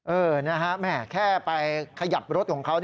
เออนะครับแม่แค่ไปขยับรถของเขา